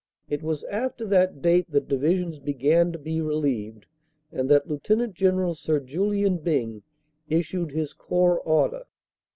It was after that date that Divisions begun to be relieved, and that Lieut General Sir Julian Byng issued his Corps Order.